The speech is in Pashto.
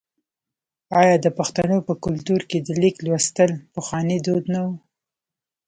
آیا د پښتنو په کلتور کې د لیک لوستل پخوانی دود نه و؟